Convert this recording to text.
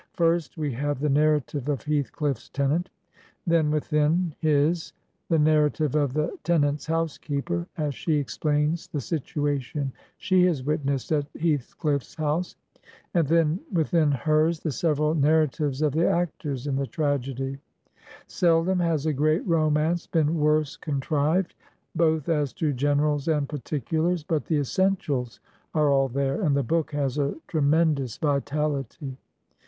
First, we have the narrative of Heath cliflF's tenant, then within his the narrative of the ten ant's housekeeper, as she explains the situation she has witnessed at Heathcliff's house, and then within hers the several narratives of the actors in the tragedy. Seldom has a great romance been worse contrived, both as to generals and particulars, but the essentials are all there, and the book has a tremendous vitality.